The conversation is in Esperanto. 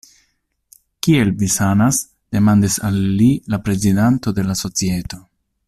Kiel vi sanas? demandis al li la prezidanto de la societo.